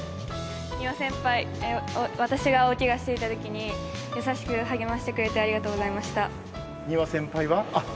丹羽先輩、私が大けがしていたときに優しく励ましてくれてありがとうございました。